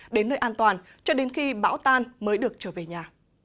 đến nơi an toàn cho đến khi bão tan mới được trở về nhà